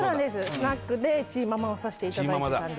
スナックでチーママをさしていただいてたんです